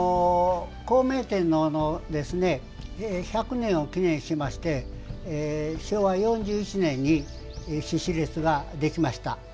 孝明天皇の１００年を記念しまして昭和４１年に志士列ができました。